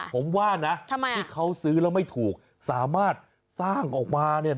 ผมว่านะที่เขาซื้อแล้วไม่ถูกสามารถสร้างออกมา